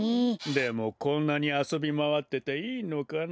でもこんなにあそびまわってていいのかな。